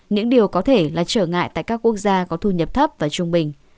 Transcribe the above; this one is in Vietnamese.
những điều có thể là trở ngại tại các quốc gia có thu nhập thấp và trung bình